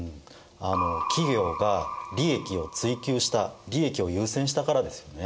企業が利益を追求した利益を優先したからですよね。